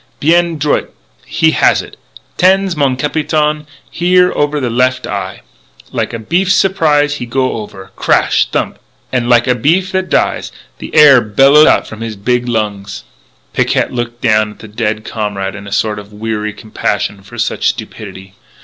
Bien droit he has it tenez, mon capitaine here, over the left eye!... Like a beef surprise he go over, crash! thump! And like a beef that dies, the air bellows out from his big lungs " Picquet looked down at the dead comrade in a sort of weary compassion for such stupidity.